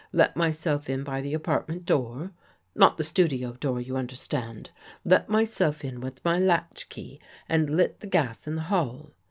Let myself in by the apart ment door — not the studio door, you understand. Let myself in with my latchkey and lit the gas in the hall.